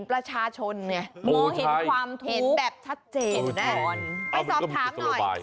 ไปสอบถามหน่อย